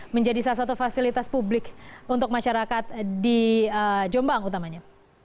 menjadi salah satu fasilitas publik untuk masyarakat di jombang utamanya